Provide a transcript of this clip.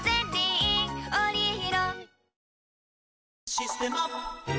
「システマ」